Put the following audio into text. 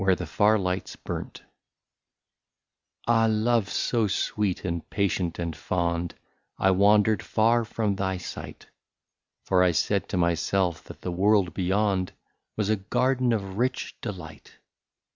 67 WHERE THE FAR LIGHTS BURNT. Ah ! love, so sweet and patient and fond, I wandered far from thy sight. For I said to myself that the world beyond Was a garden of rich delight.